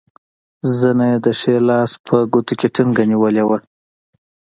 زنه یې د ښي لاس په ګوتو کې ټینګه نیولې وه.